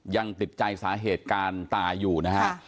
ยังติดใจสาเหตุการตายอยู่นะฮะ